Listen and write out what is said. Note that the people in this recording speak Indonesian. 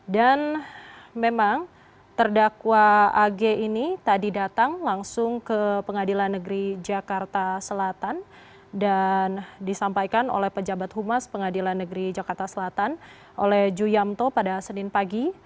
dan memang terdakwa ag ini tadi datang langsung ke pengadilan negeri jakarta selatan dan disampaikan oleh pejabat humas pengadilan negeri jakarta selatan oleh ju yamto pada senin pagi